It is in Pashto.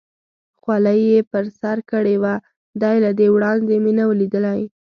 خولۍ یې پر سر کړې وه، دی له دې وړاندې مې نه و لیدلی.